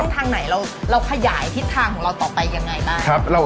ทางไหนเราขยายทิศทางของเราต่อไปยังไงบ้าง